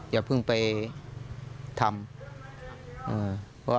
อย่าเพิ่งไปทำ